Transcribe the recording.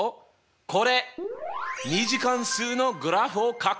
これ２次関数のグラフをかく！